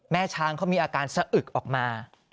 ช้างเขามีอาการสะอึกออกมา